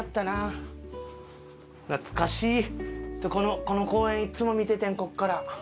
このこの公園いつも見ててんここから。